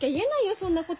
そんなこと。